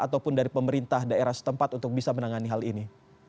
ataupun dari pemerintah daerah setempat untuk bisa menangani hal ini